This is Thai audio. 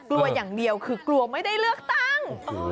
กลัวอย่างเดียวคือกลัวไม่ได้เลือกตั้ง